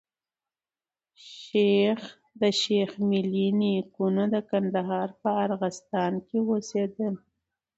د شېخ ملي نيکونه د کندهار په ارغستان کي اوسېدل.